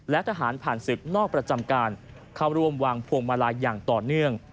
และทหารผ่านศึกนอกประจำการเข้าร่วมวางพวงมาลัยอย่างต่อเนื่อง